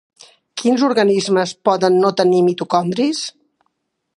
Quins organismes poden no tenir mitocondris?